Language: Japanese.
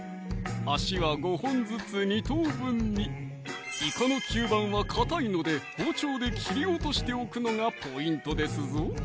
足は５本ずつ２等分にイカの吸盤はかたいので包丁で切り落としておくのがポイントですぞ